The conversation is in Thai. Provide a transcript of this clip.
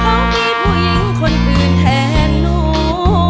เรามีผู้หญิงคนอื่นแทนหนู